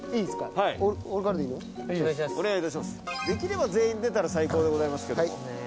できれば全員出たら最高でございますけども。